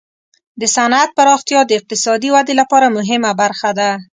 د صنعت پراختیا د اقتصادي ودې لپاره مهمه برخه ده.